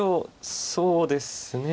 そうですね。